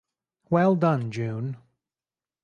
Well done June.